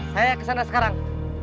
saya kesana sekarang